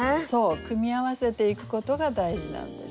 組み合わせていくことが大事なんです。